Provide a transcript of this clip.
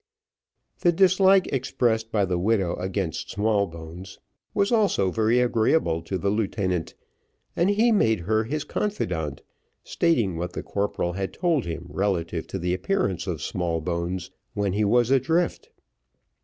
The dislike expressed by the widow against Smallbones was also very agreeable to the lieutenant, and he made her his confidant, stating what the corporal had told him relative to the appearance of Smallbones when he was adrift.